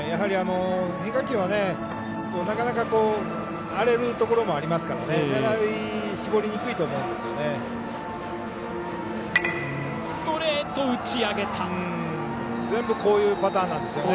変化球はなかなか荒れるところもありますから狙い、絞りにくいと思うんですね。